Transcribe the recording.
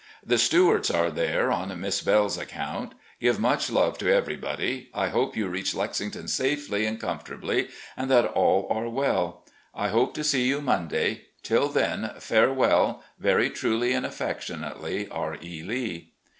The Stewarts are there on Miss Belle's accotmt. Give much love to everybody. I hope you reached Lexington safely and comfortably and that all are well. I hope to see you Monday. Till then, farewell. " Very truly and affectionately, "R. E. Lee."